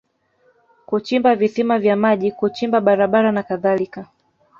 kuchimba visima vya maji kuchimba barabara na kadhalika